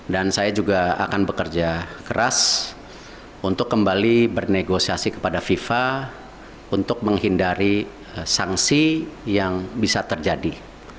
saya juga akan bekerja keras untuk kembali bernegosiasi kepada fifa untuk menghindari sanksi yang bisa terjadi